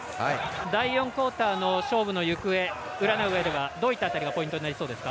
第４クオーターの勝負の行方占ううえでどういった辺りがポイントになりそうですか？